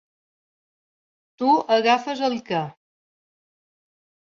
Tu agafes el què?